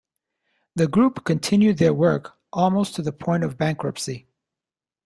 The group continued their work, almost to the point of bankruptcy.